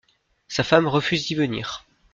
Sa femme refuse d’y venir.